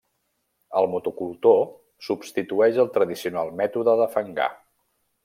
El motocultor substitueix el tradicional mètode de fangar.